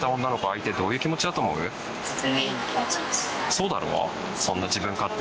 そうだろ？